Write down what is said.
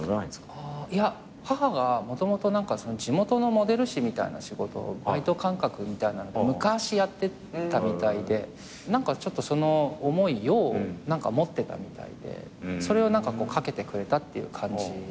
いや母がもともと地元のモデルみたいな仕事をバイト感覚みたいな昔やってたみたいでその思いを持ってたみたいでそれを何かかけてくれたっていう感じ。